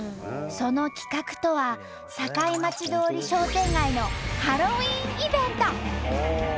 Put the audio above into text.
その企画とは堺町通り商店街のハロウィーンイベント！